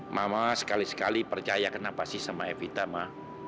mama sekali sekali percaya kenapa sih sama epita ma